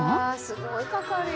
すごいかかるよ。